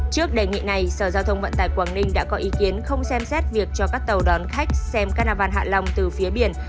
trước đề nghị này sở giao thông vận tải quảng ninh đã có ý kiến không xem xét việc cho các tàu đón khách xem carnival hạ long từ phía biển